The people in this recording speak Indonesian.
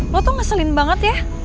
lo tuh ngeselin banget ya